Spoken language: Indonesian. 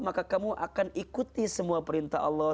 maka kamu akan ikuti semua perintah allah